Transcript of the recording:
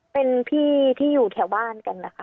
เป็นพี่ที่อยู่แถวบ้านกันนะคะ